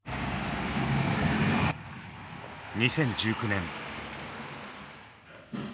２０１９年。